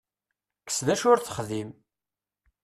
Kkes d acu ur texdim.